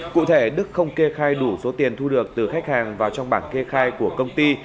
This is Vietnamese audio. cụ thể đức không kê khai đủ số tiền thu được từ khách hàng vào trong bảng kê khai của công ty